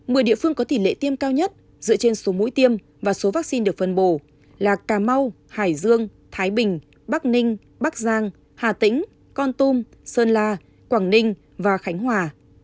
mười địa phương có tỷ lệ tiêm cao nhất dựa trên số mũi tiêm và số vaccine được phân bổ là cà mau hải dương thái bình bắc ninh bắc giang hà tĩnh con tum sơn la quảng ninh và khánh hòa